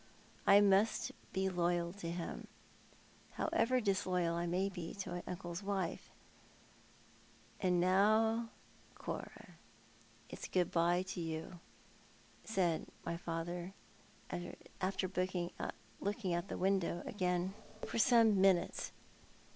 I must be loyal to him, however disloyal I may be to my uncle's wife. "And now, good bye to you, Cora," said my father, after looking out of the window again for some minutes.